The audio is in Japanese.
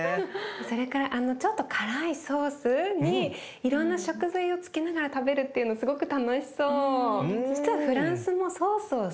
それからあのちょっと辛いソースにいろんな食材をつけながら食べるっていうのすごく楽しそう。